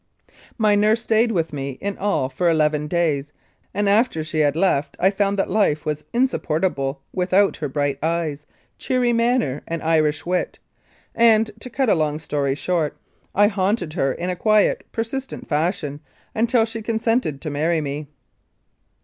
My nurse stayed with me in all for eleven days, and after she had left I found that life was insupportable without her bright eyes, cheery manner and Irish wit, and, to cut a long story short, I haunted her in a quite persistent fashion until she consented to marry me.